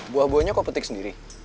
buah buahnya kok petik sendiri